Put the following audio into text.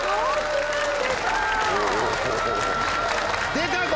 出たぞ。